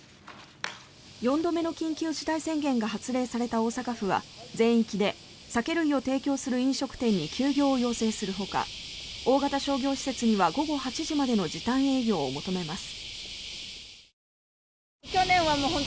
４度目の緊急事態宣言が発令された大阪府は全域で酒類を提供する飲食店に休業を要請するほか大型商業施設には午後８時までの時短営業を求めます。